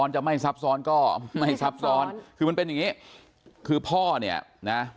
จะไม่ซับซ้อนก็ไม่ซับซ้อนคือมันเป็นอย่างงี้คือพ่อเนี่ยนะ